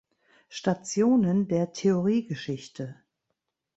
Stationen der Theoriegeschichte“.